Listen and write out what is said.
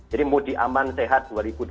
jadi mudik aman sehat dua ribu dua puluh dua